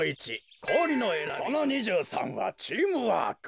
その２３はチームワーク。